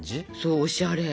おしゃれ。